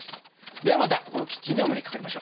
ではまたこのキッチンでお目にかかりましょう。